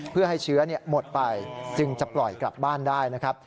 เพื่อให้เชื้อหมดไปจึงจะปล่อยกลับบ้านได้นะครับ